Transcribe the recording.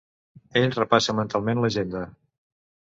Ell repassa mentalment l'agenda.